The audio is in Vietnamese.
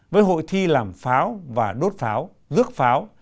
với hội thi làm pháo và đốt pháo rước pháo